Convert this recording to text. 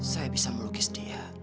saya bisa melukis dia